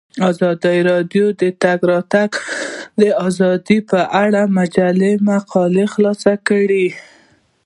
ازادي راډیو د د تګ راتګ ازادي په اړه د مجلو مقالو خلاصه کړې.